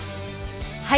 はい。